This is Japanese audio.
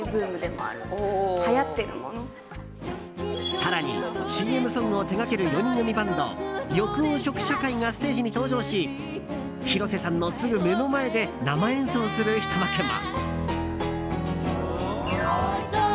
更に、ＣＭソングを手掛ける４人組バンド緑黄色社会がステージに登場し広瀬さんのすぐ目の前で生演奏をするひと幕も。